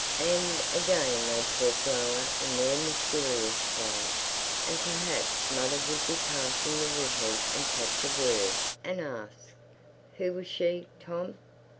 And, again they'd talk lower and more mysterious like, and perhaps mother would be passing the wood heap and catch a word, and asked: "Who was she, Tom?"